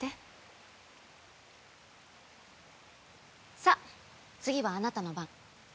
さあ次はあなたの番。